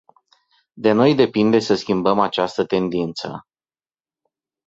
De noi depinde să schimbăm această tendință.